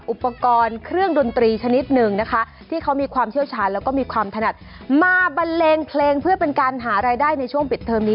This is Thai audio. อุปกรณ์เครื่องดนตรีชนิดหนึ่งนะคะที่เขามีความเชี่ยวชาญแล้วก็มีความถนัดมาบันเลงเพลงเพื่อเป็นการหารายได้ในช่วงปิดเทอมนี้